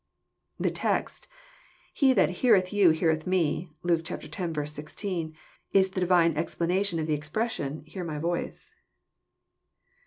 The text, " He that heareth you heareth Me," (Luke x. 16,) is the Divine explanation of the expression, " hear my voice."